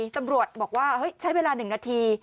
ตำรวจบอกว่าใช้เวลา๑นาที